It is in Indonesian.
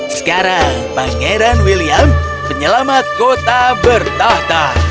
sekarang pangeran william penyelamat kota bertata